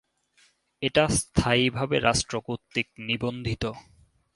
এটা স্থায়ীভাবে রাষ্ট্র কর্তৃক নিবন্ধিত।